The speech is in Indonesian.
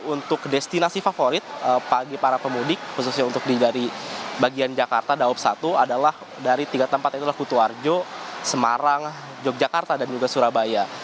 untuk destinasi favorit bagi para pemudik khususnya untuk dari bagian jakarta daob satu adalah dari tiga tempat yaitu kutu arjo semarang yogyakarta dan juga surabaya